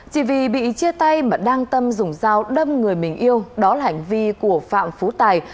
chỉ vì bị chia tay mà đang tâm dùng dao đâm người mình yêu đó là hành vi của phạm phú tài